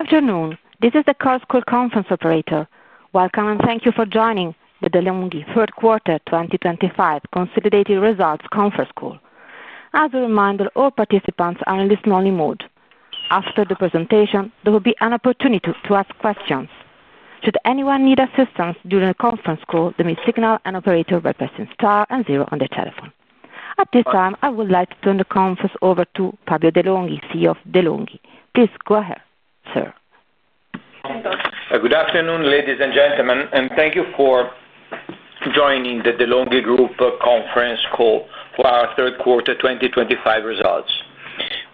Afternoon. This is the CarsCode Conference Operator. Welcome and thank you for joining the De'Longhi Q3 2025 Consolidated Results Conference Call. As a reminder, all participants are in listen-only mode. After the presentation, there will be an opportunity to ask questions. Should anyone need assistance during the conference call, they may signal an operator by pressing Star and Zero on the telephone. At this time, I would like to turn the conference over to Fabio De'Longhi, CEO of De'Longhi. Please go ahead, sir. Good afternoon, ladies and gentlemen, and thank you for joining the De'Longhi Group Conference Call for our Q3 2025 results.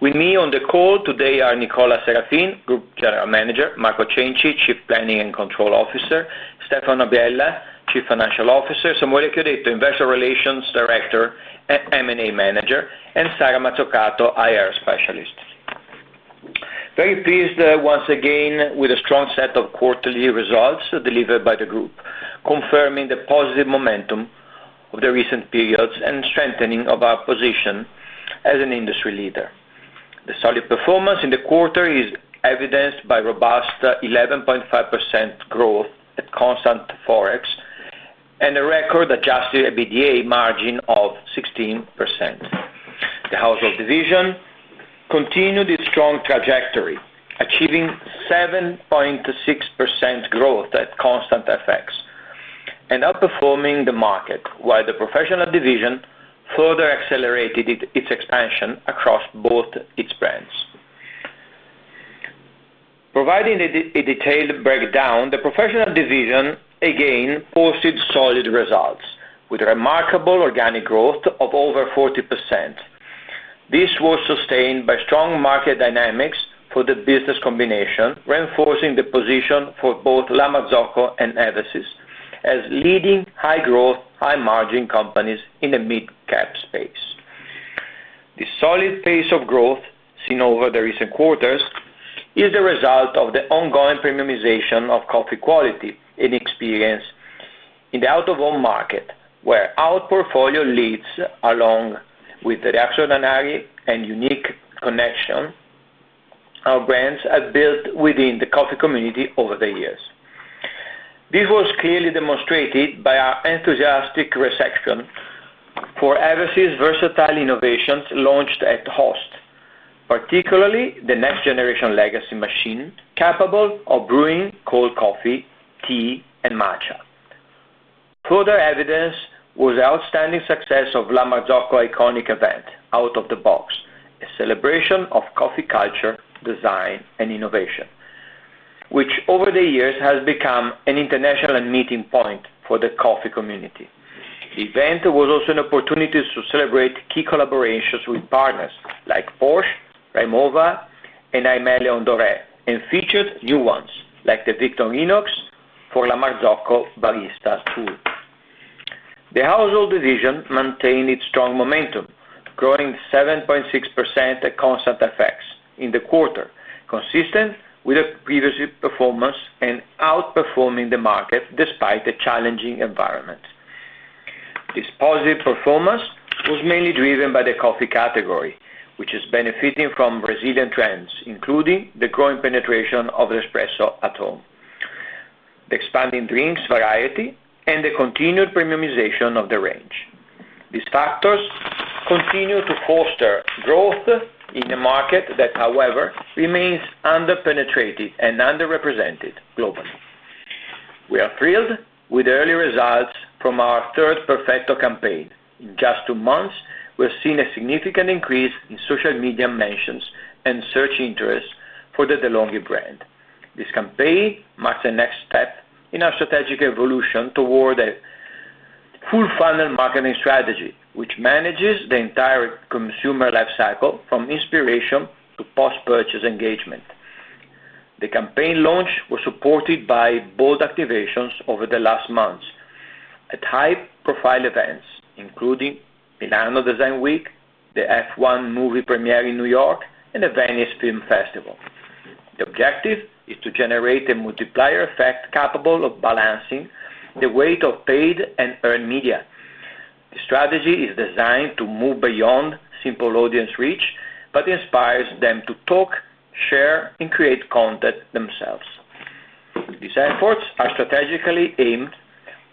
With me on the call today are Nicola Serafin, Group General Manager; Marco Cenci, Chief Planning and Control Officer; Stefano Bella, Chief Financial Officer; Samuele Chiudetto, Investor Relations Director and M&A Manager; and Sara Mazzucato, IR Specialist. Very pleased once again with the strong set of quarterly results delivered by the Group, confirming the positive momentum of the recent periods and strengthening of our position as an industry leader. The solid performance in the quarter is evidenced by robust 11.5% growth at Constant forex and a record Adjusted EBITDA margin of 16%. The Household Division continued its strong trajectory, achieving 7.6% growth at constant FX and outperforming the market, while the Professional Division further accelerated its expansion across both its brands. Providing a detailed breakdown, the Professional Division again posted solid results with remarkable Organic Growth of over 40%. This was sustained by strong market dynamics for the business combination, reinforcing the position for both La Marzocco and Eversys as leading High-growth, High-margin companies in the Mid-cap space. This solid pace of growth seen over the recent quarters is the result of the ongoing premiumization of coffee quality and experience in the out-of-home market, where our portfolio leads, along with the reactionary and unique connection our brands have built within the Coffee Community over the years. This was clearly demonstrated by our enthusiastic reception for Eversys' versatile innovations launched at Host, particularly the Next Generation Legacy Machine, capable of brewing cold coffee, tea, and matcha. Further evidence was the outstanding success of La Marzocco Iconic Event, Out of the Box, a celebration of coffee culture, design, and innovation, which over the years has become an international meeting point for the Coffee Community. The event was also an opportunity to celebrate key collaborations with partners like Porsche, RIMOWA, and Aimé Leon Dore, and featured new ones like the Victorinox for La Marzocco Barista Tool. The Household Division maintained its strong momentum, growing 7.6% at constant FX in the quarter, consistent with the previous performance and outperforming the market despite the challenging environment. This positive performance was mainly driven by the coffee category, which is benefiting from resilient trends, including the growing penetration of Espresso at home, the expanding drinks variety, and the continued premiumization of the range. These factors continue to foster growth in a market that, however, remains under-penetrated and under-represented globally. We are thrilled with the early results from our Q3 Perfetto campaign. In just two months, we have seen a significant increase in social media mentions and search interest for the De'Longhi brand. This campaign marks a next step in our strategic evolution toward a Full-funnel marketing strategy, which manages the entire consumer lifecycle from inspiration to post-purchase engagement. The campaign launch was supported by bold activations over the last months at high-profile events, including Milano Design Week, the F1 Movie Premiere in New York, and the Venice Film Festival. The objective is to generate a multiplier effect capable of balancing the weight of paid and earned media. The strategy is designed to move beyond simple audience reach but inspires them to talk, share, and create content themselves. These efforts are strategically aimed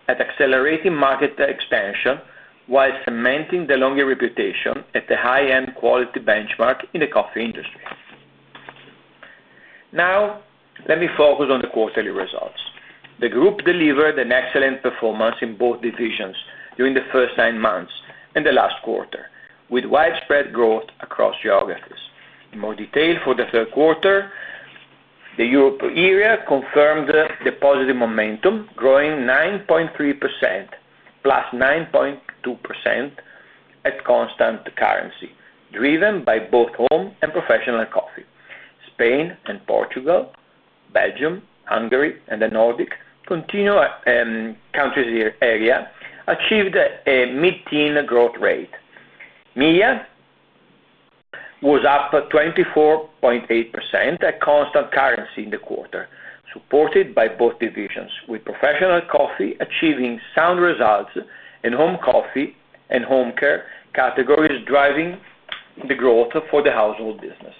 at accelerating market expansion while cementing De'Longhi's reputation at the high-end quality benchmark in the coffee industry. Now, let me focus on the quarterly results. The Group delivered an excellent performance in both divisions during the first nine months and the last quarter, with widespread growth across geographies. In more detail, for the Q3, the Europe area confirmed the positive momentum, growing 9.3% plus 9.2% at constant currency, driven by both home and professional coffee. Spain and Portugal, Belgium, Hungary, and the Nordic countries area achieved a mid-teen growth rate. Media was up 24.8% at constant currency in the quarter, supported by both divisions, with professional coffee achieving sound results and home coffee and home care categories driving the growth for the household business.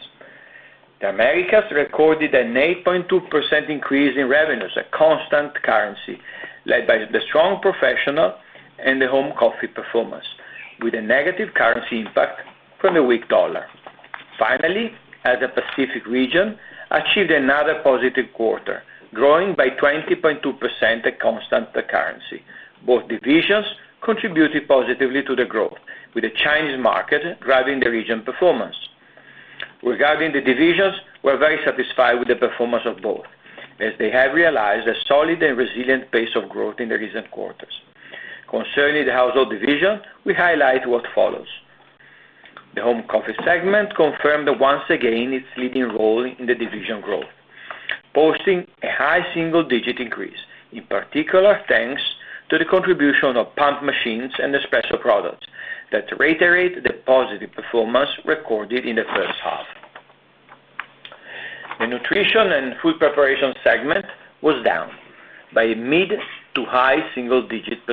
The Americas recorded an 8.2% increase in revenues at constant currency, led by the strong professional and the home coffee performance, with a negative currency impact from the weak dollar. Finally, as the Pacific region achieved another positive quarter, growing by 20.2% at constant currency, both divisions contributed positively to the growth, with the Chinese market driving the region's performance. Regarding the divisions, we are very satisfied with the performance of both, as they have realized a solid and resilient pace of growth in the recent quarters. Concerning the Household Division, we highlight what follows. The home coffee segment confirmed once again its leading role in the division growth, posting a high single-digit increase, in particular thanks to the contribution of Pump machines and Espresso products that reiterate the positive performance recorded in the first half. The nutrition and food preparation segment was down by a mid to high single-digit %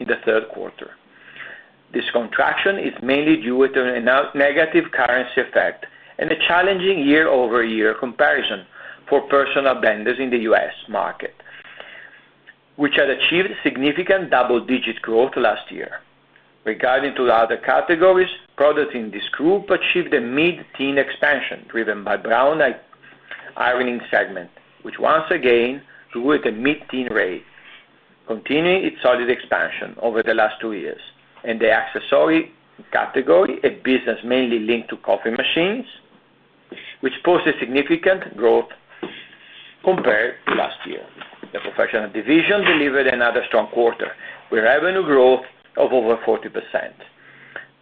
in the Q3. This contraction is mainly due to a negative currency effect and a challenging year-over-year comparison for personal blenders in the U.S. market, which had achieved significant double-digit growth last year. Regarding other categories, products in this group achieved a mid-teen expansion driven by the Brown ironing segment, which once again drew a mid-teen rate, continuing its solid expansion over the last two years. In the accessory category, a business mainly linked to coffee machines, which posted significant growth compared to last year. The professional division delivered another strong quarter with revenue growth of over 40%.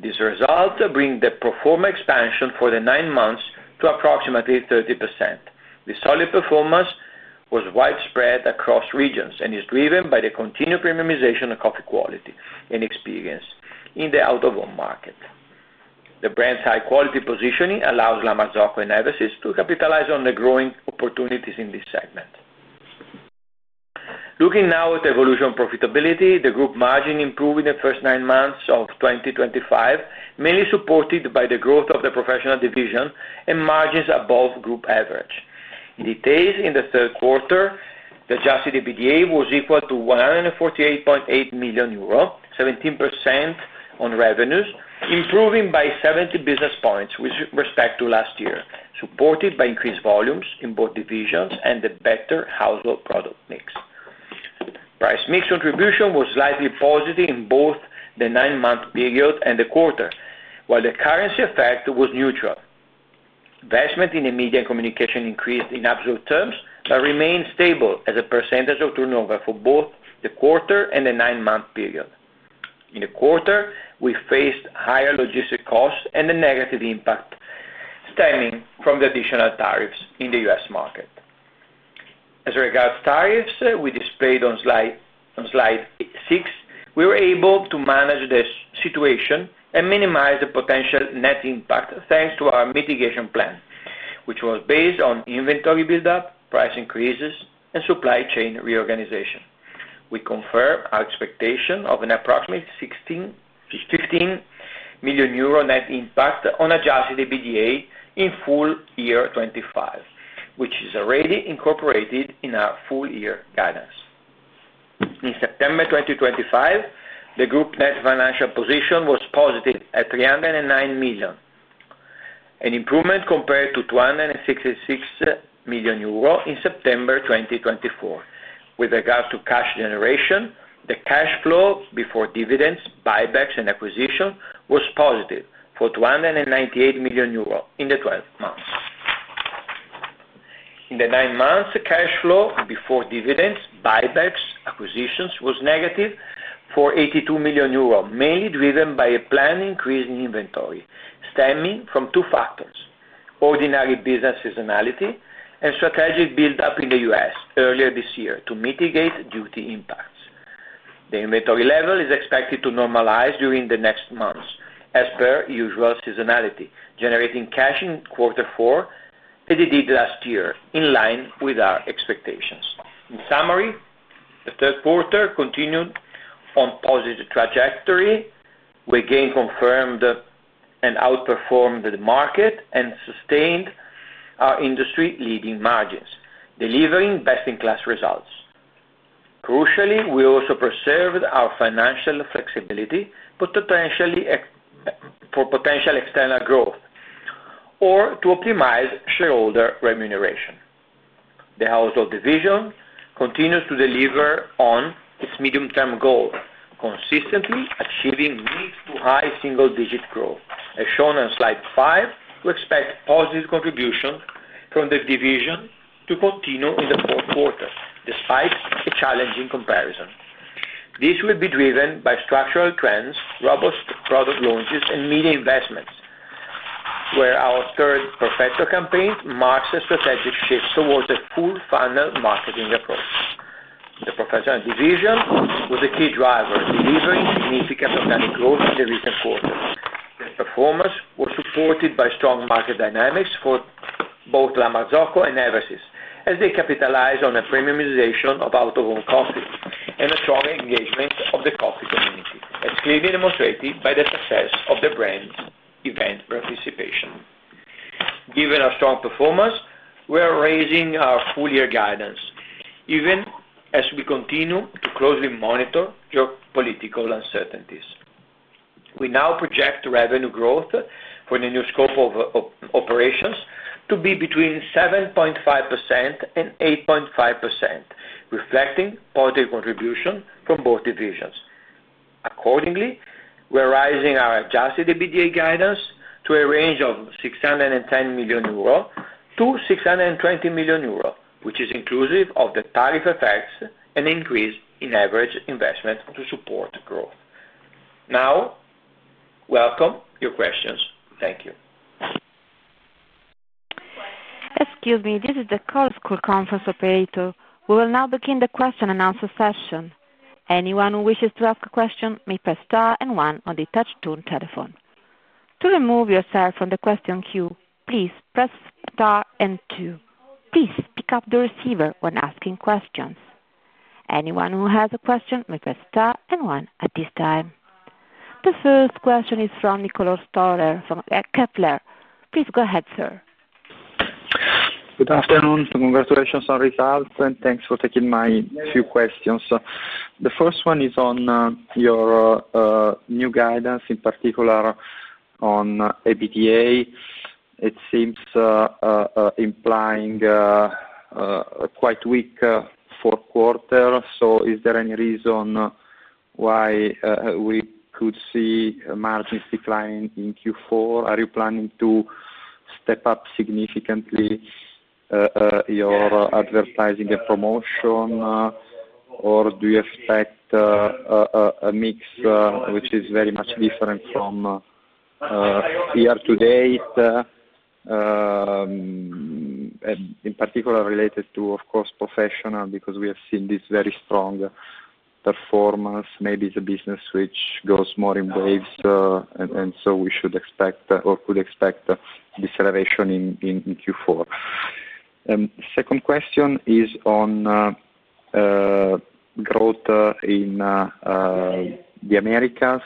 These results bring the pro forma expansion for the nine months to approximately 30%. The solid performance was widespread across regions and is driven by the continued premiumization of coffee quality and experience in the out-of-home market. The brand's high-quality positioning allows La Marzocco and Eversys to capitalize on the growing opportunities in this segment. Looking now at evolution and profitability, the Group margin improved in the first nine months of 2025, mainly supported by the growth of the professional division and margins above Group average. In detail, in the Q3, the Adjusted EBITDA was equal to 148.8 million euro, 17% on revenues, improving by 70 basis points with respect to last year, supported by increased volumes in both divisions and a better household Product mix. Price mix contribution was slightly positive in both the nine-month period and the quarter, while the currency effect was neutral. Investment in the media and communication increased in absolute terms but remained stable as a percentage of turnover for both the quarter and the nine-month period. In the quarter, we faced higher logistic costs and a negative impact stemming from the additional Tariffs in the U.S. market. As regards Tariffs, we displayed on slide 6, we were able to manage the situation and minimize the potential net impact thanks to our mitigation plan, which was based on inventory build-up, price increases, and supply chain reorganization. We confirm our expectation of an approximate 15 million euro net impact on Adjusted EBITDA in full year 2025, which is already incorporated in our full-year guidance. In September 2025, the Group net financial position was positive at 309 million, an improvement compared to 266 million euro in September 2024. With regards to cash generation, the cash flow before dividends, buybacks, and acquisitions was positive for 298 million euros in the 12th month. In the nine months, cash flow before dividends, buybacks, and acquisitions was negative for 82 million euros, mainly driven by a planned increase in inventory stemming from two factors: ordinary business seasonality and strategic build-up in the US earlier this year to mitigate duty impacts. The inventory level is expected to normalize during the next months, as per usual seasonality, generating cash in Q4, as it did last year, in line with our expectations. In summary, the Q3 continued on a positive trajectory. We again confirmed and outperformed the market and sustained our industry-leading margins, delivering best-in-class results. Crucially, we also preserved our financial flexibility for potential external growth or to optimize shareholder remuneration. The Household Division continues to deliver on its medium-term goal, consistently achieving mid to high single-digit growth, as shown on slide 5. We expect positive contributions from the division to continue in the fourth quarter, despite a challenging comparison. This will be driven by structural trends, robust product launches, and media investments, where our Q3 Perfetto campaign marks a strategic shift towards a full-funnel marketing approach. The professional division was a key driver, delivering significant Organic Growth in the recent quarter. The performance was supported by strong market dynamics for both La Marzocco and Eversys, as they capitalized on the Premiumization of out-of-home coffee and the strong engagement of the Coffee Community, as clearly demonstrated by the success of the brand's event participation. Given our strong performance, we are raising our full-year guidance, even as we continue to closely monitor geopolitical uncertainties. We now project revenue growth for the new scope of operations to be between 7.5% and 8.5%, reflecting positive contribution from both divisions. Accordingly, we are raising our Adjusted EBITDA guidance to a range of 610 million-620 million euro, which is inclusive of the tariff effects and increase in average investment to support growth. Now, welcome your questions. Thank you. Excuse me, this is the call's conference operator. We will now begin the question and answer session. Anyone who wishes to ask a question may press star and one on the touch-tone telephone. To remove yourself from the question queue, please press star and two. Please pick up the receiver when asking questions. Anyone who has a question may press star and one at this time. The first question is from Nicolas Toller from Kepler. Please go ahead, sir. Good afternoon. Congratulations on the results, and thanks for taking my few questions. The first one is on your new guidance, in particular on EBITDA. It seems implying a quite weak fourth quarter. Is there any reason why we could see margins declining in Q4? Are you planning to step up significantly your advertising and promotion, or do you expect a mix which is very much different from year to date, in particular related to, of course, professional, because we have seen this very strong performance? Maybe it's a business which goes more in waves, and we should expect or could expect this elevation in Q4. Second question is on growth in the Americas,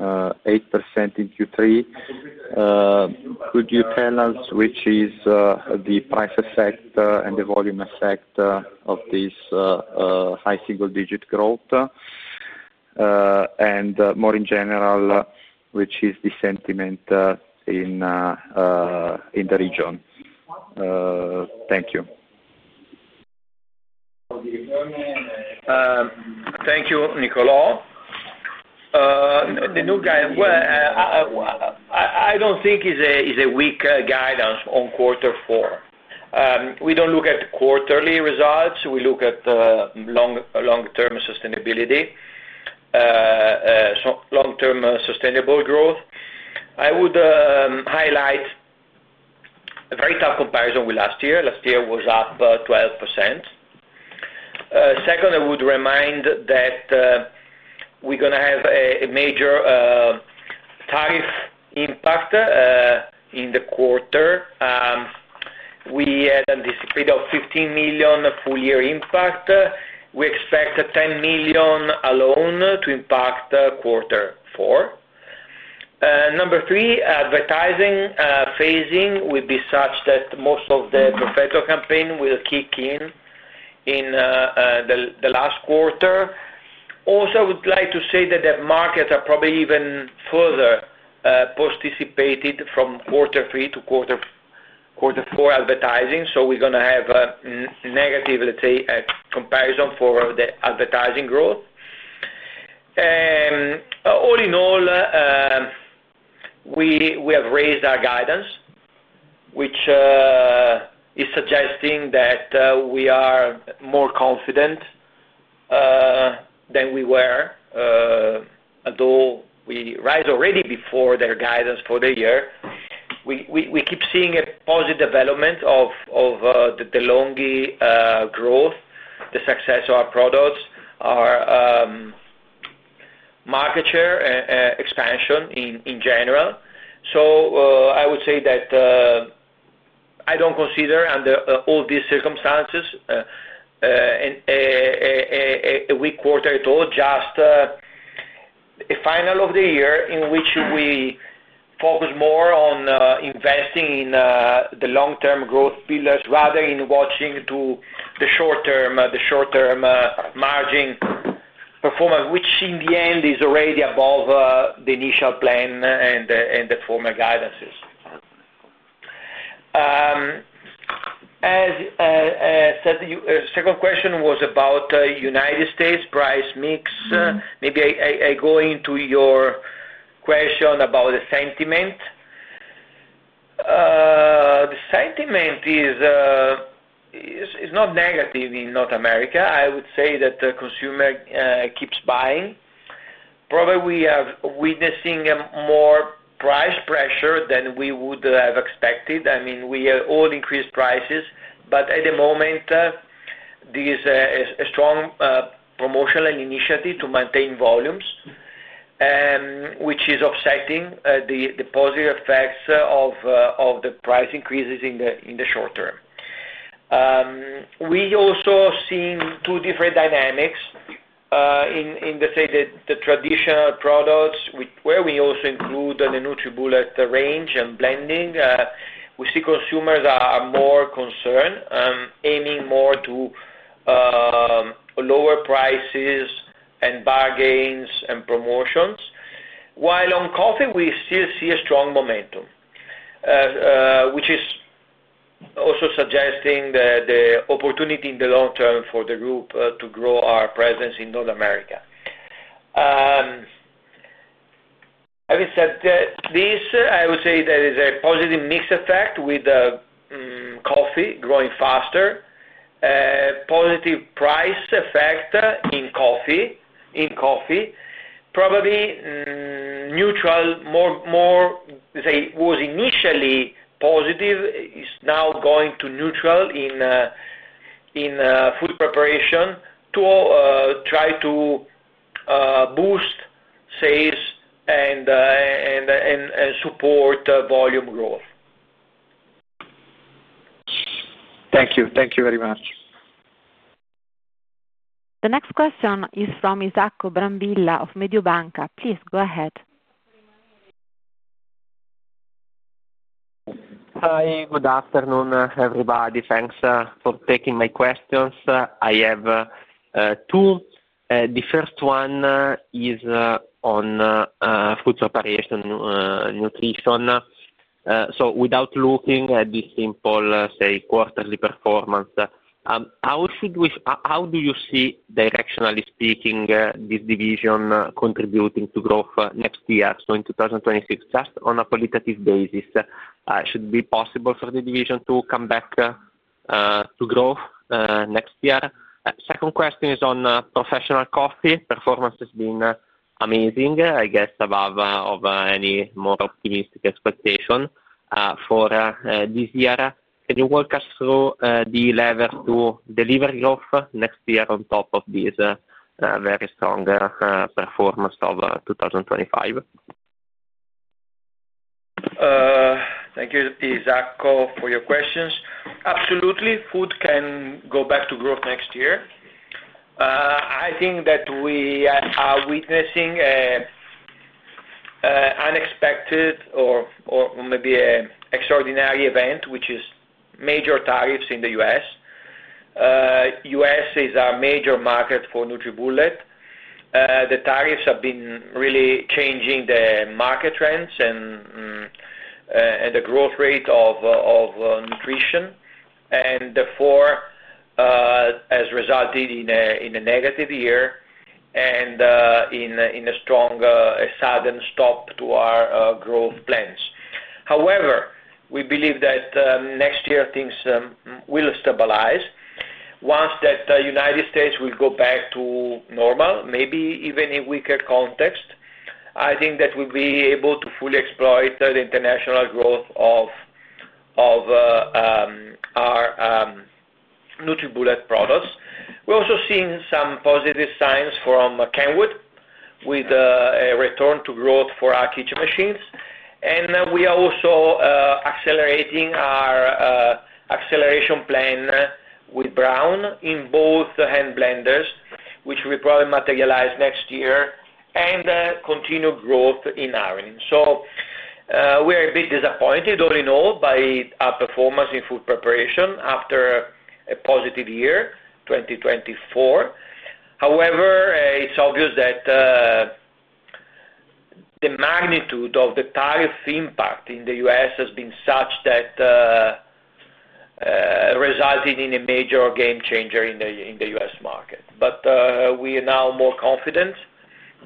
8% in Q3. Could you tell us which is the price effect and the volume effect of this high single-digit growth, and more in general, which is the sentiment in the region? Thank you. Thank you, Nicolas. The new guidance, I don't think, is a weak guidance on Q4. We don't look at quarterly results. We look at long-term sustainability, long-term sustainable growth. I would highlight a very tough comparison with last year. Last year was up 12%. Second, I would remind that we're going to have a major tariff impact in the quarter. We had anticipated a 15 million full-year impact. We expect a 10 million alone to impact Q4. Number three, advertising phasing will be such that most of the Perfetto campaign will kick in in the last quarter. Also, I would like to say that the markets are probably even further posticipated from Q3 to Q4 advertising, so we're going to have a negative, let's say, comparison for the advertising growth. All in all, we have raised our guidance, which is suggesting that we are more confident than we were, although we raised already before their guidance for the year. We keep seeing a positive development of De'Longhi growth, the success of our products, our market share expansion in general. I would say that I do not consider, under all these circumstances, a weak quarter at all, just a final of the year in which we focus more on investing in the long-term growth pillars rather than watching to the short-term margin performance, which in the end is already above the initial plan and the former guidances. The second question was about United States price mix. Maybe I go into your question about the sentiment. The sentiment is not negative in North America. I would say that the consumer keeps buying. Probably we are witnessing more price pressure than we would have expected. I mean, we have all increased prices, but at the moment, there is a strong promotional initiative to maintain volumes, which is offsetting the positive effects of the price increases in the short term. We also see two different dynamics. In, let's say, the traditional products, where we also include the NutriBullet range and blending, we see consumers are more concerned, aiming more to lower prices and bargains and promotions, while on coffee, we still see a strong momentum, which is also suggesting the opportunity in the long term for the group to grow our presence in North America. Having said this, I would say there is a positive mix effect with coffee growing faster, positive price effect in coffee. Probably neutral, more say, was initially positive, is now going to neutral in food preparation to try to boost sales and support volume growth. Thank you. Thank you very much. The next question is from Isacco Brambilla of Mediobanca. Please go ahead. Hi. Good afternoon, everybody. Thanks for taking my questions. I have two. The first one is on food preparation nutrition. Without looking at this simple, say, quarterly performance, how do you see, directionally speaking, this division contributing to growth next year, so in 2026, just on a qualitative basis? Should it be possible for the division to come back to growth next year? Second question is on professional coffee. Performance has been amazing, I guess, above any more optimistic expectation for this year. Can you walk us through the lever to deliver growth next year on top of this very strong performance of 2025? Thank you, Isacco, for your questions. Absolutely, food can go back to growth next year. I think that we are witnessing an unexpected or maybe an extraordinary event, which is major Tariffs in the U.S. The U.S. is a major market for NutriBullet. The Tariffs have been really changing the market trends and the growth rate of nutrition, and therefore, as a result, in a negative year and in a strong, sudden stop to our growth plans. However, we believe that next year things will stabilize. Once the United States will go back to normal, maybe even in weaker context, I think that we'll be able to fully exploit the international growth of our NutriBullet products. We're also seeing some positive signs from KENWOOD with a return to growth for our kitchen machines. We are also accelerating our acceleration plan with Braun in both hand blenders, which will probably materialize next year, and continue growth in iron. We are a bit disappointed, all in all, by our performance in food preparation after a positive year, 2024. However, it's obvious that the magnitude of the tariff impact in the U.S. has been such that resulting in a major game changer in the U.S. market. We are now more confident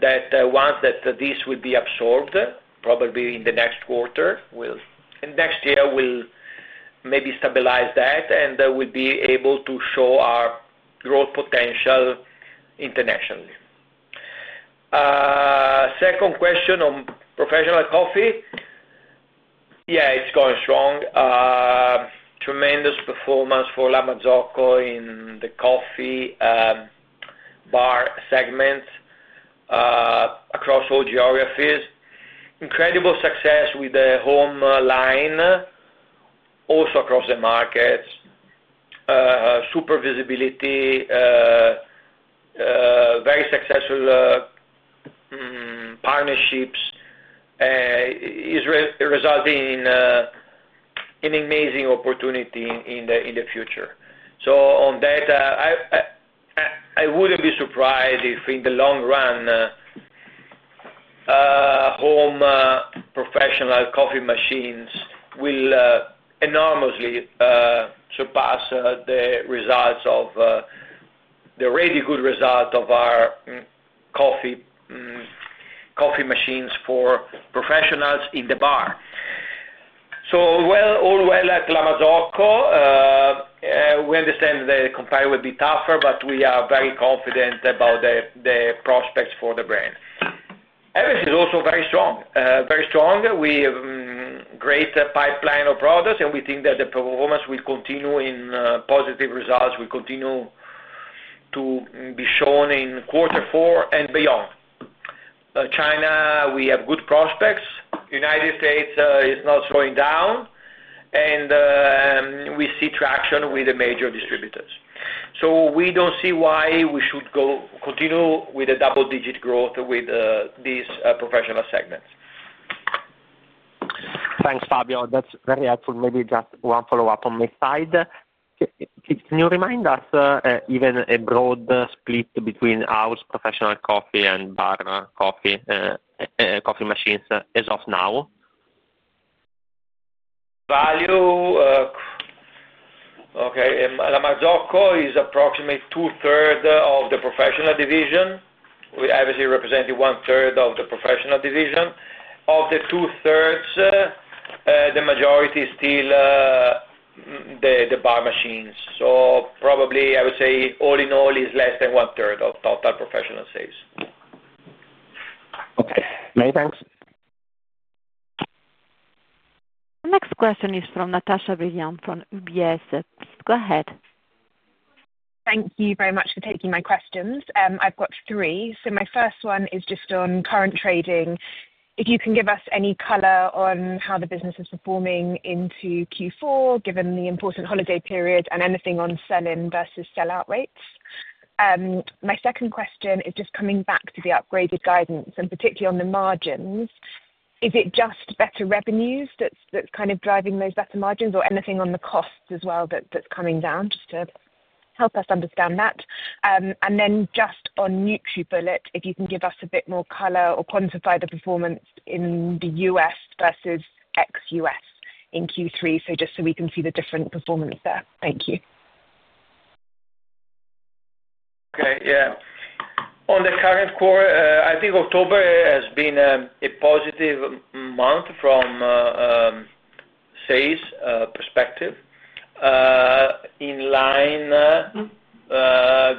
that once this will be absorbed, probably in the next quarter, next year, we'll maybe stabilize that, and we'll be able to show our growth potential internationally. Second question on professional coffee. Yeah, it's going strong. Tremendous performance for La Marzocco in the coffee bar segment across all geographies. Incredible success with the home line, also across the markets. Super visibility, very successful partnerships, resulting in an amazing opportunity in the future. On that, I wouldn't be surprised if in the long run, home professional coffee machines will enormously surpass the results of the really good result of our coffee machines for professionals in the bar. All well at La Marzocco. We understand the compare will be tougher, but we are very confident about the prospects for the brand. Everything is also very strong. Very strong. We have a great pipeline of products, and we think that the performance will continue in positive results. We continue to be shown in Q4 and beyond. China, we have good prospects. United States is not slowing down, and we see traction with the major distributors. We do not see why we should not continue with the double-digit growth with these professional segments. Thanks, Fabio. That is very helpful. Maybe just one follow-up on my side. Can you remind us even a broad split between our professional coffee and bar coffee machines as of now? Value, okay. La Marzocco is approximately two-thirds of the professional division. Eversys is obviously representing one-third of the professional division. Of the two-thirds, the majority is still the bar machines. Probably, I would say, all in all, it's less than one-third of total professional sales. Okay. Many thanks. The next question is from Natasha Brillant from UBS. Please go ahead. Thank you very much for taking my questions. I've got three. My first one is just on current trading. If you can give us any color on how the business is performing into Q4, given the important holiday period, and anything on sell-in versus sell-out rates. My second question is just coming back to the upgraded guidance, and particularly on the margins. Is it just better revenues that's kind of driving those better margins, or anything on the costs as well that's coming down? Just to help us understand that. And then just on NutriBullet, if you can give us a bit more color or quantify the performance in the U.S. versus ex-U.S. in Q3, so just so we can see the different performance there. Thank you. Okay. Yeah. On the current quarter, I think October has been a positive month from a sales perspective in line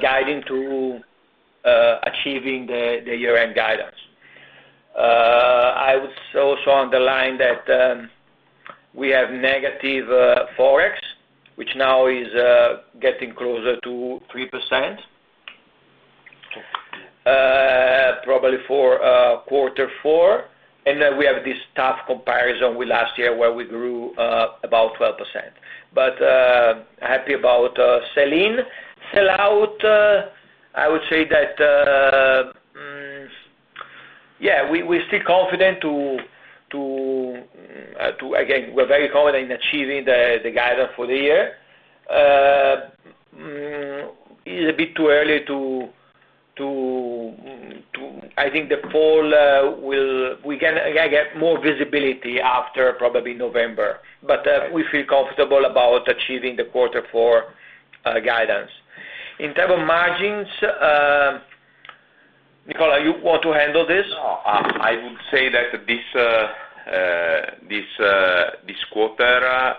guiding to achieving the year-end guidance. I would also underline that we have negative forex, which now is getting closer to 3%, probably for Q4. We have this tough comparison with last year where we grew about 12%. Happy about sell-in. Sell-out, I would say that, yeah, we're still confident to—again, we're very confident in achieving the guidance for the year. It's a bit too early to—I think the fall, we can get more visibility after probably November. We feel comfortable about achieving the Q4 guidance. In terms of margins, Nicola, you want to handle this? I would say that this quarter,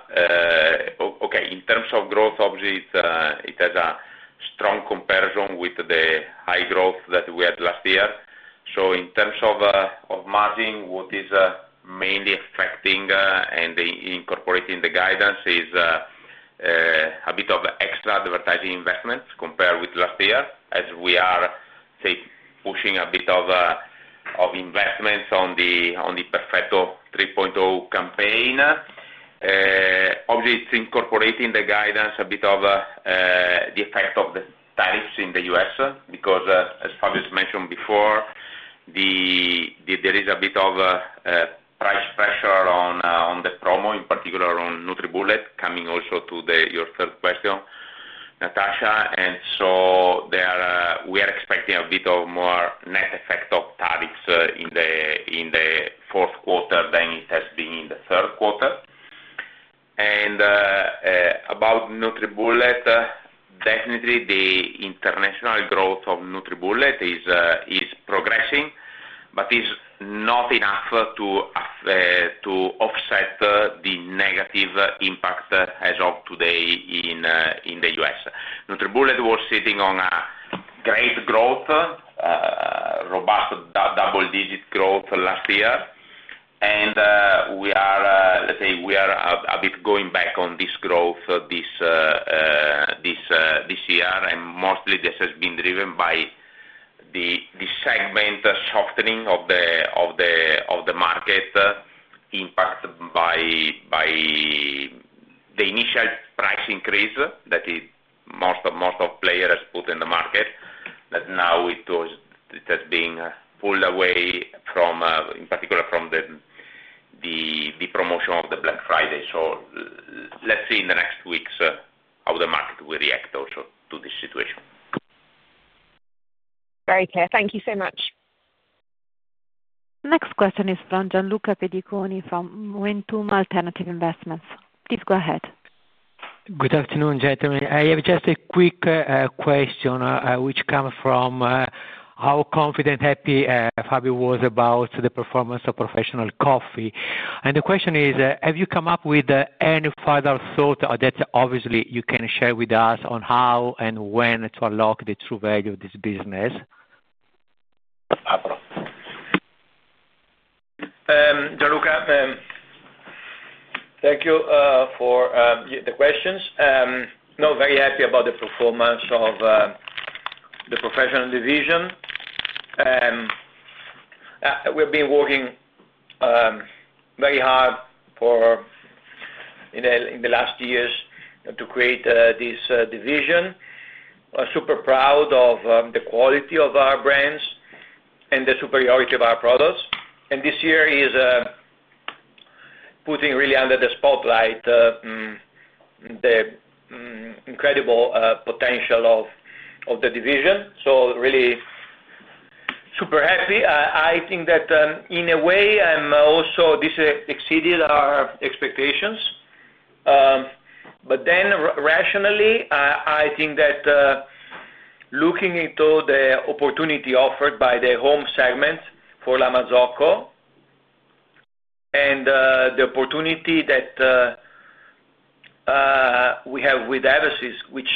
okay, in terms of growth, obviously, it has a strong comparison with the high growth that we had last year. In terms of margin, what is mainly affecting and incorporating the guidance is a bit of extra Advertising investments compared with last year, as we are, say, pushing a bit of investments on the Perfetto 3.0 campaign. Obviously, it is incorporating the guidance, a bit of the effect of the Tariffs in the U.S., because, as Fabio has mentioned before, there is a bit of price pressure on the promo, in particular on NutriBullet, coming also to your third question, Natasha. We are expecting a bit of more net effect of Tariffs in the fourth quarter than it has been in the third quarter. About NutriBullet, definitely the international growth of NutriBullet is progressing, but it's not enough to offset the negative impact as of today in the US NutriBullet was sitting on a great growth, robust double-digit growth last year. Let's say we are a bit going back on this growth this year, and mostly this has been driven by the segment softening of the market impacted by the initial price increase that most of the players put in the market, that now has been pulled away, in particular from the promotion of the Black Friday. Let's see in the next weeks how the market will react also to this situation. Very clear. Thank you so much. The next question is from Gianluca Pediconi from MOMentum Alternative Investments. Please go ahead. Good afternoon, gentlemen. I have just a quick question, which comes from how confident, happy Fabio was about the performance of professional coffee. The question is, have you come up with any further thought that obviously you can share with us on how and when to unlock the true value of this business? Gianluca, thank you for the questions. No, very happy about the performance of the professional division. We have been working very hard in the last years to create this division. Super proud of the quality of our brands and the superiority of our products. This year is putting really under the spotlight the incredible potential of the division. Really super happy. I think that in a way, this exceeded our expectations. Rationally, I think that looking into the opportunity offered by the home segment for La Marzocco and the opportunity that we have with Eversys, which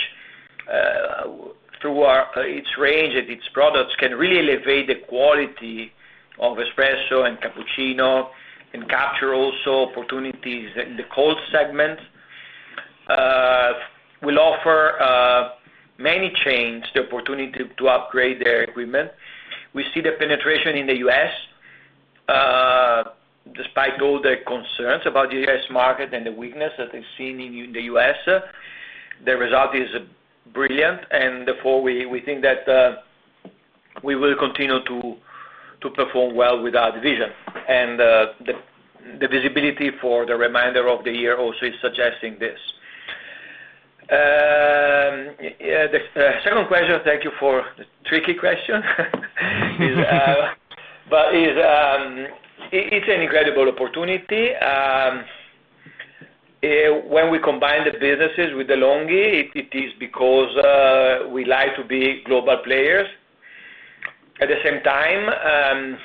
through its range and its products can really elevate the quality of Espresso and Cappuccino and capture also opportunities in the cold segment, will offer many chains the opportunity to upgrade their equipment. We see the penetration in the U.S. Despite all the concerns about the U.S. market and the weakness that they've seen in the U.S., the result is brilliant. Therefore, we think that we will continue to perform well with our division. The visibility for the remainder of the year also is suggesting this. The second question, thank you for the tricky question, but it's an incredible opportunity. When we combine the businesses with De'Longhi, it is because we like to be global players. At the same time,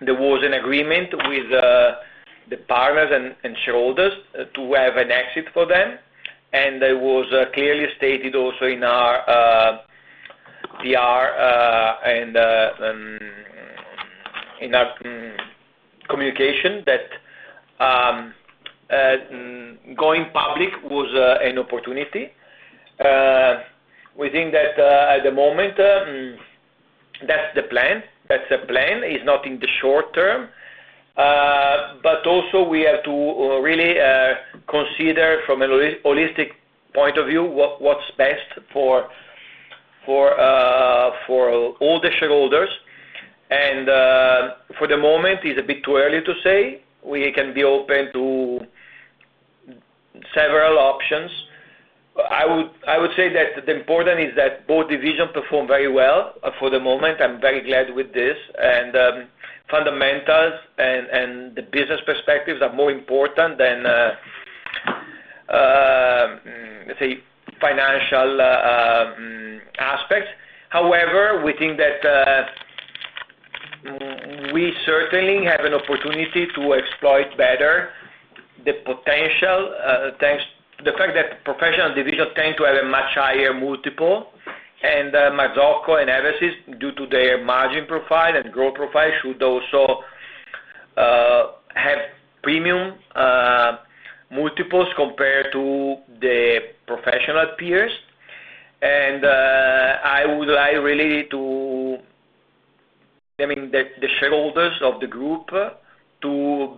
there was an agreement with the partners and shareholders to have an exit for them. It was clearly stated also in our PR and in our communication that going public was an opportunity. We think that at the moment, that's the plan. That's a plan. It is not in the short term. We have to really consider from a holistic point of view what is best for all the shareholders. For the moment, it is a bit too early to say. We can be open to several options. I would say that the important thing is that both divisions perform very well for the moment. I'm very glad with this. Fundamentals and the business perspectives are more important than, let's say, financial aspects. However, we think that we certainly have an opportunity to exploit better the potential thanks to the fact that professional divisions tend to have a much higher multiple. Marzocco and Eversys, due to their margin profile and growth profile, should also have premium multiples compared to the professional peers. I would like really to, I mean, the shareholders of the group to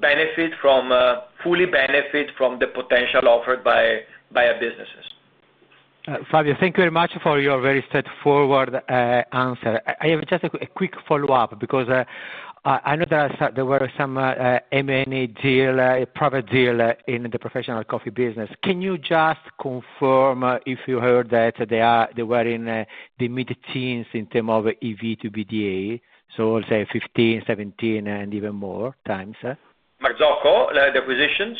fully benefit from the potential offered by our businesses. Fabio, thank you very much for your very straightforward answer. I have just a quick follow-up because I know that there were some M&A deal, private deal in the professional coffee business. Can you just confirm if you heard that they were in the mid-teens in terms of EV/EBITDA? I'll say 15-17, and even more times. Marzocco, the acquisitions?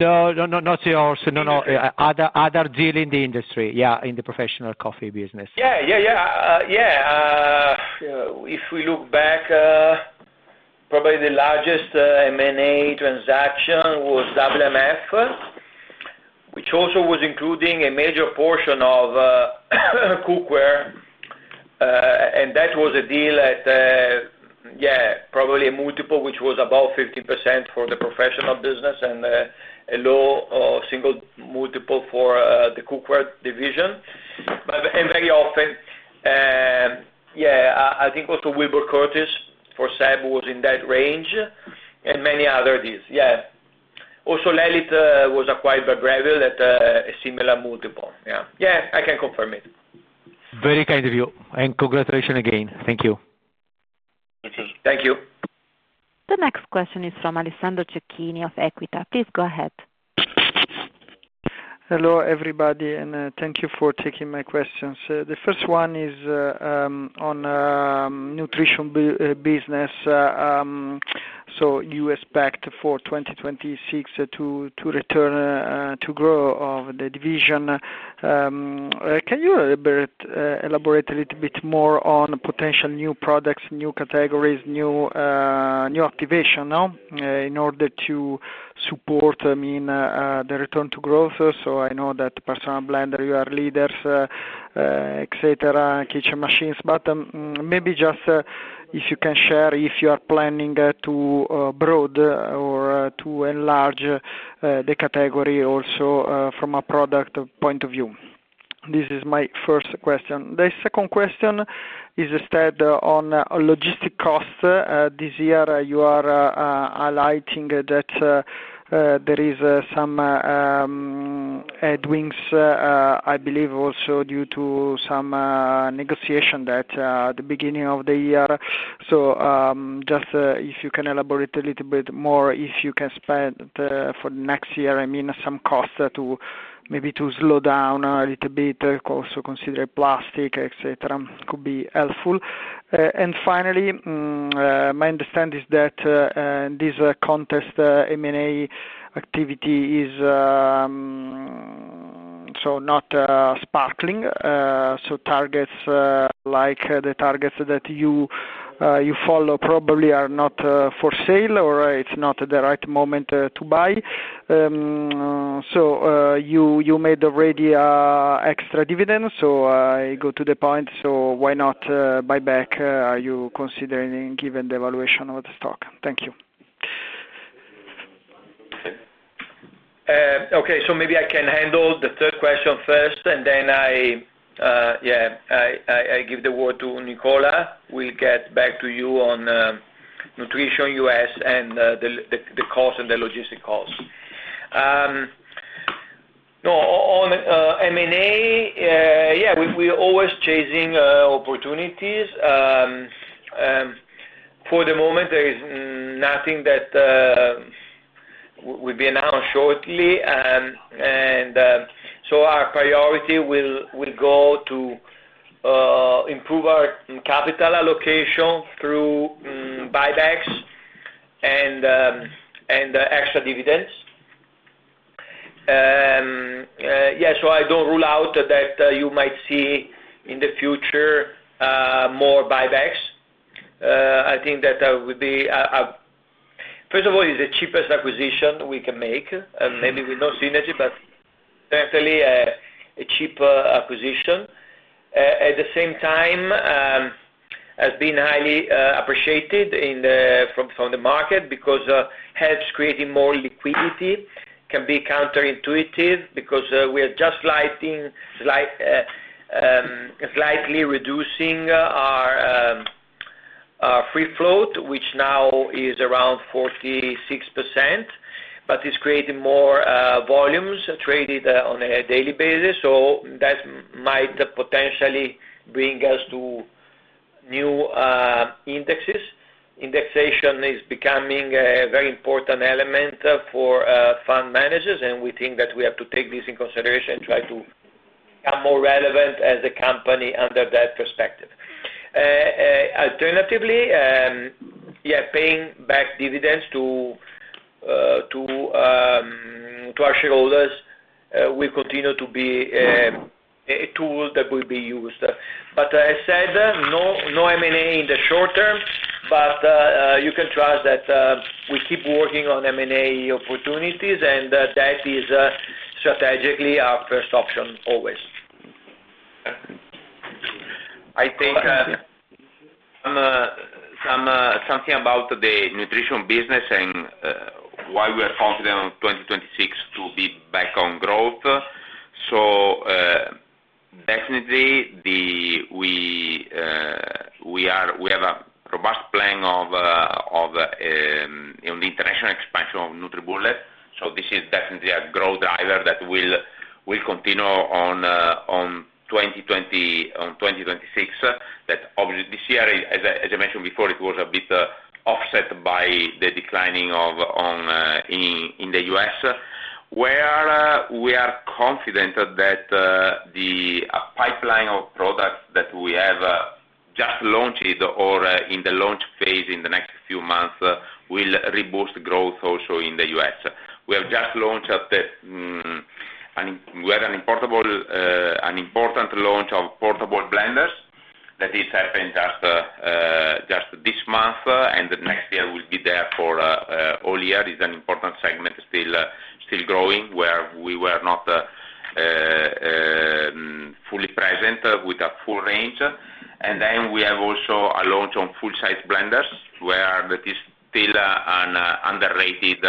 No, not yours. No, no. Other deal in the industry. Yeah, in the professional coffee business. If we look back, probably the largest M&A transaction was WMF, which also was including a major portion of Cookware. That was a deal at, yeah, probably a multiple which was above 15% for the professional business and a low single multiple for the Cookware division. Very often, I think also Wilbur Curtis for SEB was in that range and many other deals. Also, Lelit was acquired by Breville at a similar multiple. I can confirm it. Very kind of you. And congratulations again. Thank you. The next question is from Alessandro Cecchini of Equita. Please go ahead. Hello everybody, and thank you for taking my questions. The first one is on nutrition business. You expect for 2026 to return to grow of the division. Can you elaborate a little bit more on potential new products, new categories, new activation in order to support, I mean, the return to growth? I know that personal blender, you are leaders, etc., kitchen machines. Maybe just if you can share if you are planning to broaden or to enlarge the category also from a product point of view. This is my first question. The second question is instead on logistic costs. This year, you are highlighting that there is some headwinds, I believe, also due to some negotiation that at the beginning of the year. Just if you can elaborate a little bit more if you can spend for next year, I mean, some costs to maybe to slow down a little bit, also consider plastic, etc., could be helpful. Finally, my understanding is that this contest M&A activity is so not sparkling. Targets like the targets that you follow probably are not for sale or it's not the right moment to buy. You made already extra dividends. I go to the point. Why not buy back? Are you considering given the valuation of the stock? Thank you. Okay. Maybe I can handle the third question first, and then I give the word to Nicola. We'll get back to you on nutrition US and the cost and the logistic costs. No, on M&A, yeah, we're always chasing opportunities. For the moment, there is nothing that will be announced shortly. Our priority will go to improve our capital allocation through buybacks and extra dividends. I don't rule out that you might see in the future more buybacks. I think that would be, first of all, it's the cheapest acquisition we can make. Maybe with no synergy, but certainly a cheap acquisition. At the same time, it has been highly appreciated from the market because it helps creating more liquidity. It can be counterintuitive because we are just slightly reducing our free float, which now is around 46%, but it is creating more volumes traded on a daily basis. That might potentially bring us to new indexes. Indexation is becoming a very important element for fund managers, and we think that we have to take this into consideration and try to become more relevant as a company under that perspective. Alternatively, paying back dividends to our shareholders will continue to be a tool that will be used. As I said, no M&A in the short term, but you can trust that we keep working on M&A opportunities, and that is strategically our first option always. I think something about the nutrition business and why we are confident on 2026 to be back on growth. Definitely, we have a robust plan on the international expansion of NutriBullet. This is definitely a growth driver that will continue on 2026. That obviously, this year, as I mentioned before, it was a bit offset by the declining in the U.S., where we are confident that the pipeline of products that we have just launched or in the launch phase in the next few months will reboost growth also in the U.S. We have just launched an important launch of portable blenders that is happening just this month, and next year will be there for all year. It is an important segment still growing where we were not fully present with a full range. We have also a launch on full-size blenders, where that is still an underrated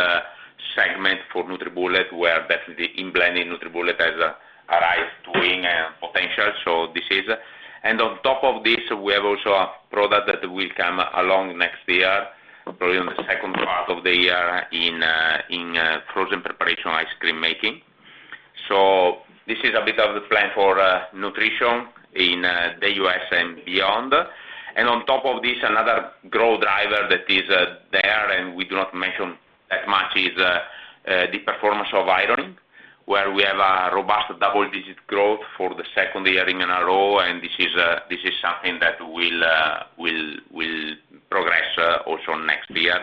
segment for NutriBullet, where definitely in blending NutriBullet has a right to win and potential. This is. On top of this, we have also a product that will come along next year, probably in the second part of the year, in frozen preparation ice cream making. This is a bit of the plan for nutrition in the U.S. and beyond. On top of this, another growth driver that is there, and we do not mention that much, is the performance of ironing, where we have a robust double-digit growth for the second year in a row. This is something that will progress also next year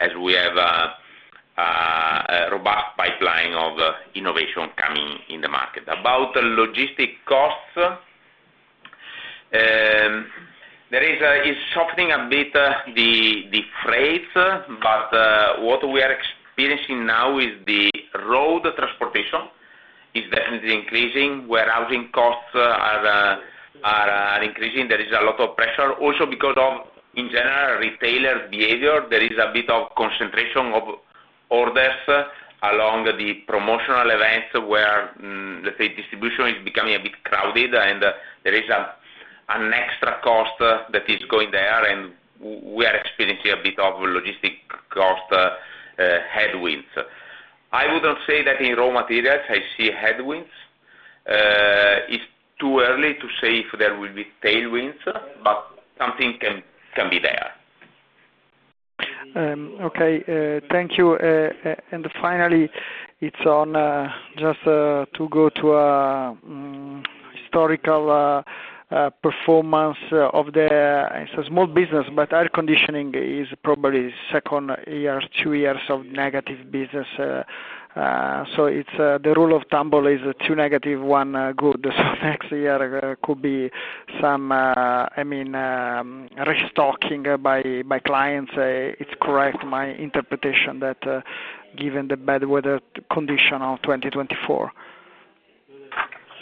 as we have a robust pipeline of innovation coming in the market. About logistic costs, there is softening a bit the freight, but what we are experiencing now is the road transportation is definitely increasing, where housing costs are increasing. There is a lot of pressure also because of, in general, retailer behavior. There is a bit of concentration of orders along the promotional events where, let's say, distribution is becoming a bit crowded, and there is an extra cost that is going there. We are experiencing a bit of logistic cost headwinds. I wouldn't say that in raw materials I see headwinds. It's too early to say if there will be tailwinds, but something can be there. Okay. Thank you. Finally, just to go to a historical performance of the small business, air conditioning is probably second year, two years of negative business. The rule of thumb is two negative, one good. Next year could be some, I mean, restocking by clients. It's correct, my interpretation, that given the bad weather condition of 2024.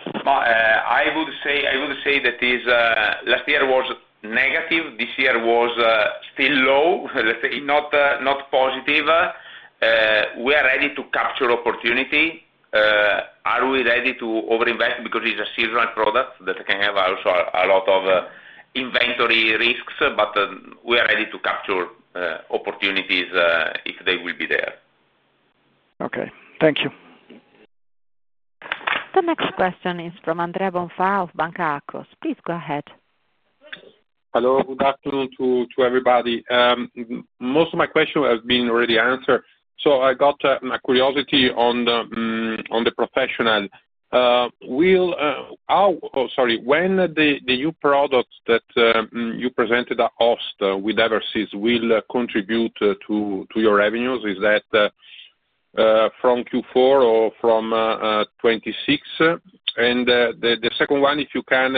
I would say that last year was negative. This year was still low, let's say, not positive. We are ready to capture opportunity. Are we ready to overinvest because it's a seasonal product that can have also a lot of inventory risks, but we are ready to capture opportunities if they will be there. Thank you. The next question is from Andrea Bonfà of Banca Akros. Please go ahead. Hello. Good afternoon to everybody. Most of my questions have been already answered. I got my curiosity on the professional. Sorry. When the new products that you presented at Host with Eversys will contribute to your revenues, is that from Q4 or from 2026? And the second one, if you can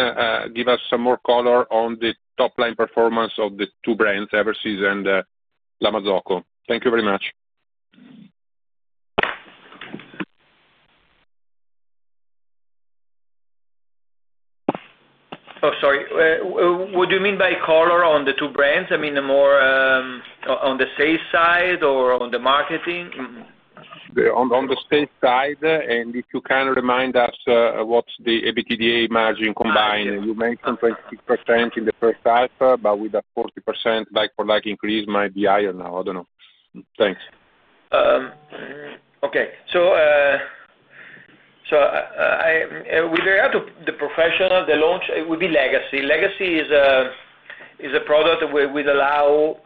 give us some more color on the top-line performance of the two brands, Eversys and La Marzocco. Thank you very much. Oh, sorry. What do you mean by color on the two brands? I mean, more on the sales side or on the marketing? On the sales side. And if you can remind us what's the EBITDA margin combined. You mentioned 26% in the first half, but with a 40% like-for-like increase, might be higher now. I don't know. Thanks. Okay. With regard to the professional, the launch, it will be Legacy. Legacy is a product that will allow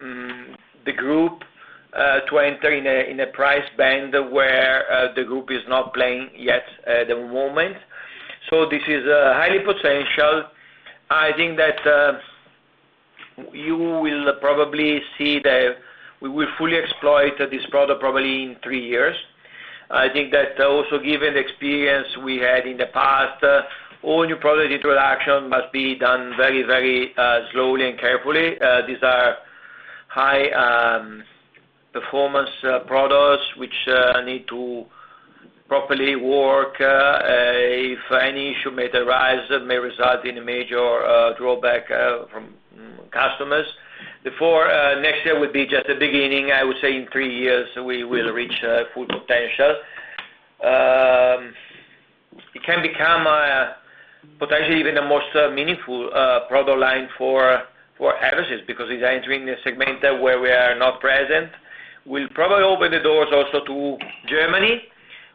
the group to enter in a price band where the group is not playing yet at the moment. This is highly potential. I think that you will probably see that we will fully exploit this product probably in three years. I think that also given the experience we had in the past, all new product introduction must be done very, very slowly and carefully. These are high-performance products which need to properly work. If any issue may arise, it may result in a major drawback from customers. The four next year will be just the beginning. I would say in three years, we will reach full potential. It can become potentially even the most meaningful product line for Eversys because it's entering the segment where we are not present. We'll probably open the doors also to Germany,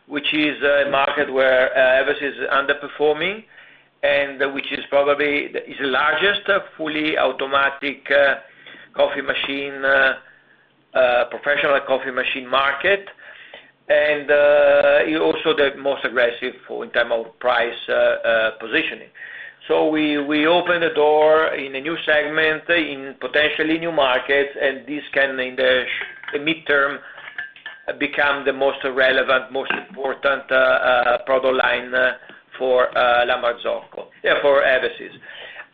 which is a market where Eversys is underperforming, and which is probably the largest fully automatic professional coffee machine market, and also the most aggressive in terms of price positioning. We open the door in a new segment in potentially new markets, and this can, in the midterm, become the most relevant, most important product line for La Marzocco or Eversys.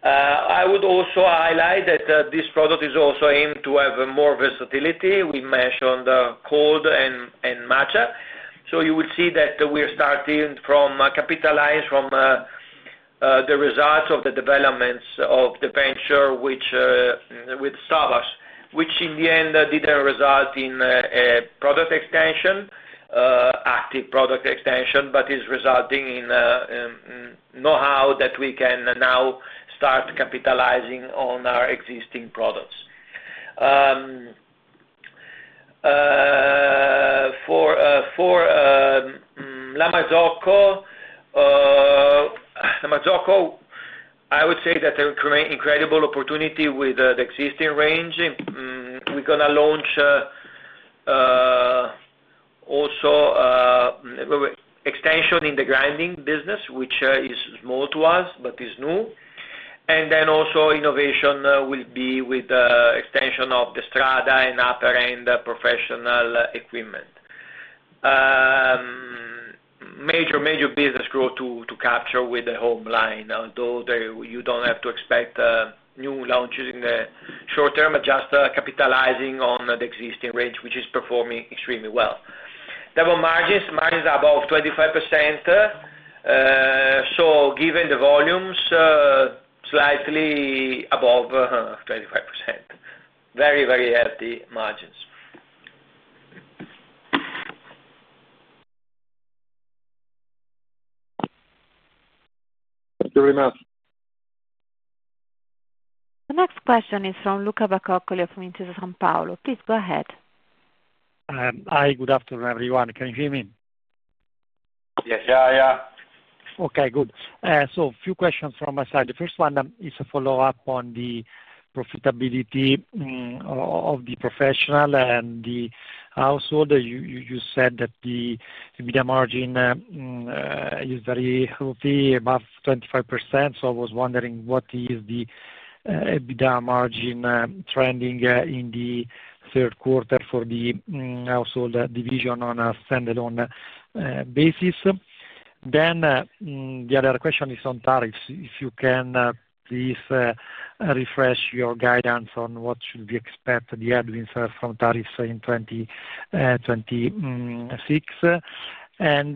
I would also highlight that this product is also aimed to have more versatility. We mentioned cold and matcha. You will see that we are starting from capital lines from the results of the developments of the venture with Starbucks, which in the end did not result in a product extension, active product extension, but is resulting in know-how that we can now start capitalizing on our existing products. For La Marzocco, I would say that an incredible opportunity with the existing range. We are going to launch also extension in the grinding business, which is small to us but is new. Then also innovation will be with the extension of the Strada and upper-end professional equipment. Major, major business growth to capture with the home line, although you don't have to expect new launches in the short term, just capitalizing on the existing range, which is performing extremely well. Double margins. Margins are above 25%. So given the volumes, slightly above 25%. Very, very healthy margins. Thank you very much. The next question is from Luca Bacoccoli of Intesa Sanpaolo. Please go ahead. Hi. Good afternoon, everyone. Can you hear me? Yes. Yeah, yeah. Okay. Good. So a few questions from my side. The first one is a follow-up on the profitability of the professional and the household. You said that the EBITDA margin is very healthy, above 25%. So I was wondering what is the EBITDA margin trending in the third quarter for the household division on a standalone basis. Then the other question is on Tariffs. If you can, please refresh your guidance on what should we expect the headwinds from Tariffs in 2026. On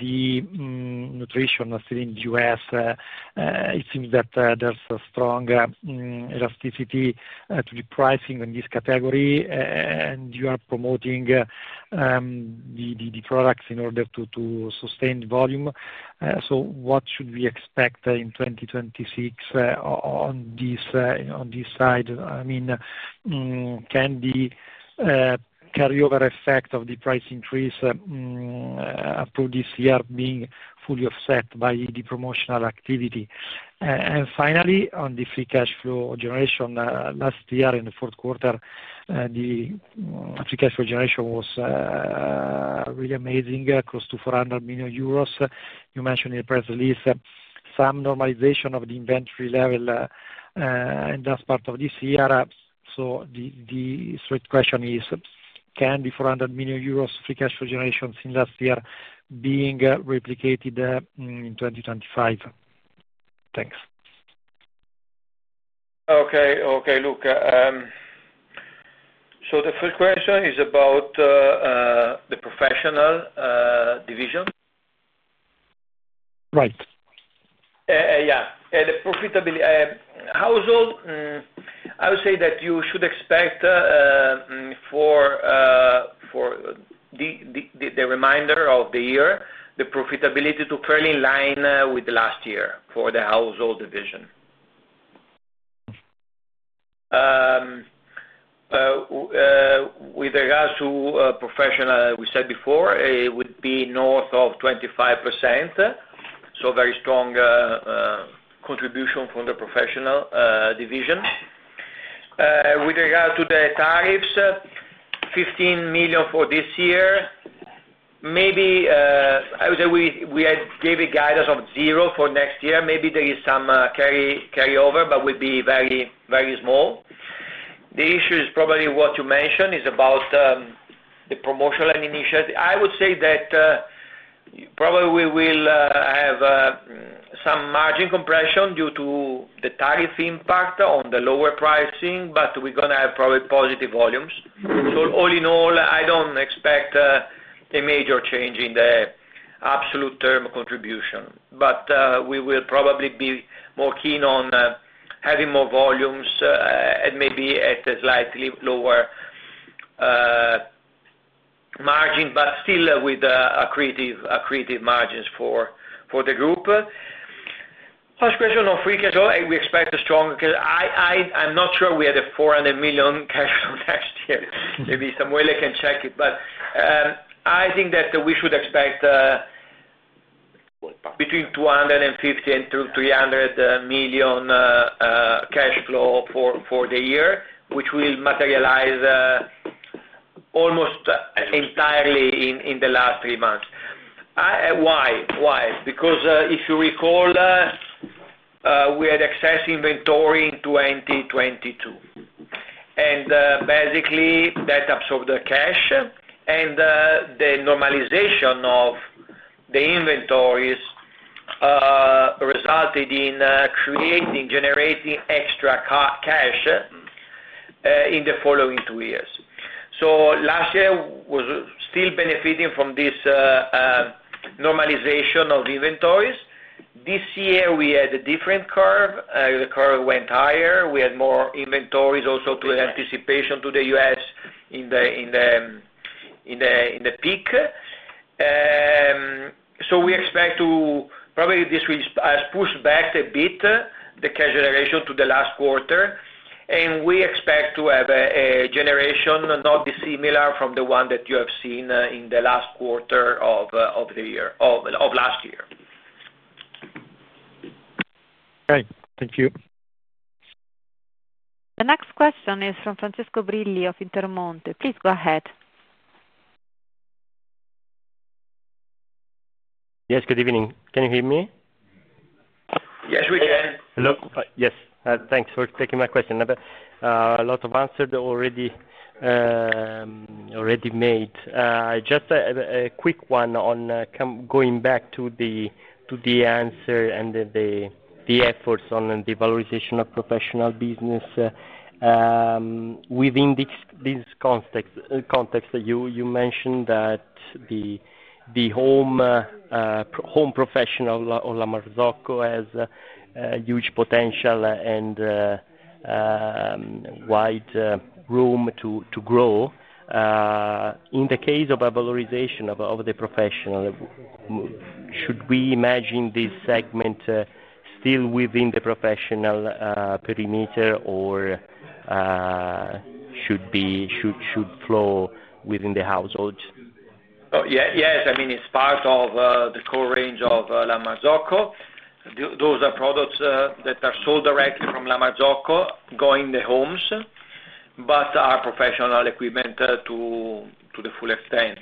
the nutrition still in the U.S., it seems that there's a strong elasticity to the pricing in this category, and you are promoting the products in order to sustain the volume. What should we expect in 2026 on this side? I mean, can the carryover effect of the price increase through this year be fully offset by the promotional activity? Finally, on the free cash flow generation, last year in the fourth quarter, the free cash flow generation was really amazing, close to 400 million euros. You mentioned in the press release some normalization of the inventory level in that part of this year. The straight question is, can the 400 million euros free cash flow generation seen last year be replicated in 2025? Thanks. Okay. Okay, Luca. The first question is about the professional division. Right. Yeah. And the household, I would say that you should expect for the remainder of the year, the profitability to fairly align with last year for the household division. With regards to professional, we said before it would be north of 25%. So very strong contribution from the professional division. With regard to the Tariffs, 15 million for this year. Maybe I would say we gave a guidance of zero for next year. Maybe there is some carryover, but will be very, very small. The issue is probably what you mentioned is about the promotional initiative. I would say that probably we will have some margin compression due to the tariff impact on the lower pricing, but we're going to have probably positive volumes. All in all, I do not expect a major change in the absolute term contribution, but we will probably be more keen on having more volumes and maybe at a slightly lower margin, but still with accretive margins for the group. Last question on free cash flow. We expect a strong cash. I am not sure we had a 400 million cash flow next year. Maybe Samuele can check it, but I think that we should expect between 250 million and 300 million cash flow for the year, which will materialize almost entirely in the last three months. Why? Because if you recall, we had excess inventory in 2022, and basically that absorbed the cash, and the normalization of the inventories resulted in creating, generating extra cash in the following two years. Last year was still benefiting from this normalization of inventories. This year we had a different curve. The curve went higher. We had more inventories also in anticipation to the U.S. in the peak. We expect this will probably push back a bit the cash generation to the last quarter, and we expect to have a generation not dissimilar from the one that you have seen in the last quarter of last year. Okay. Thank you. The next question is from Francesco Brilli of Intermonte. Please go ahead. Yes. Good evening. Can you hear me? Yes, we can. Hello. Yes. Thanks for taking my question. A lot of answers already made. Just a quick one on going back to the answer and the efforts on the valorization of professional business. Within this context, you mentioned that the home professional or La Marzocco has huge potential and wide room to grow. In the case of a valorization of the professional, should we imagine this segment still within the professional perimeter or should it flow within the households? Yes. I mean, it's part of the core range of La Marzocco. Those are products that are sold directly from La Marzocco going to homes, but are professional equipment to the full extent.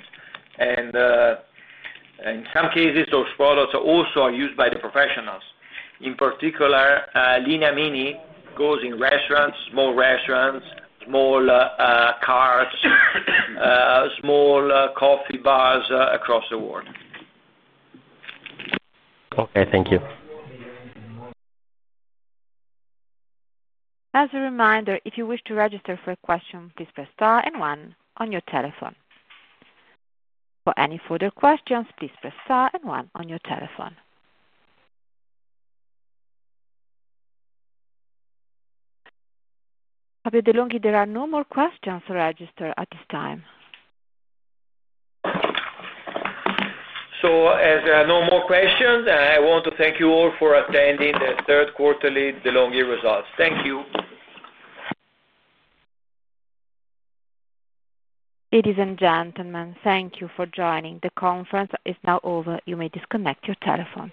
In some cases, those products also are used by the professionals. In particular, Linea Mini goes in restaurants, small restaurants, small carts, small coffee bars across the world. Okay. Thank you. As a reminder, if you wish to register for a question, please press star and one on your telephone. For any further questions, please press star and one on your telephone. Fabio De'Longhi, there are no more questions to register at this time. As there are no more questions, I want to thank you all for attending the third quarterly De'Longhi results. Thank you. Ladies and gentlemen, thank you for joining. The conference is now over. You may disconnect your telephone.